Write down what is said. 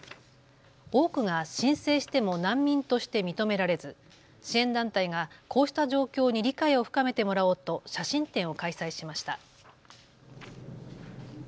多くが申請しても難民として認められず、支援団体がこうした状況に理解を深めてもらおうと写真展を開催しました。